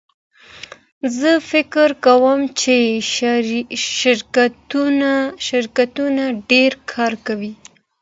زه فکر کوم چې شرکتونه ډېر کار کوي.